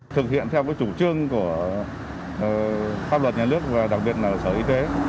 thực hiện theo chủ trương của pháp luật nhà nước và đặc biệt là sở y tế